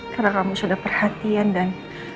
karena kamu sudah perhatian dan